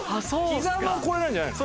ひざのこれなんじゃないの？